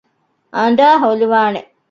އަނދައި ހުލިވާނެ